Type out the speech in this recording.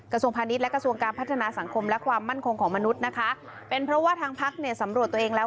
กลับแทบเท้าท่านท่านสุยัตริย์